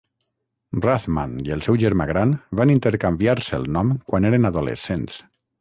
Rathmann i el seu germà gran van intercanviar-se el nom quan eren adolescents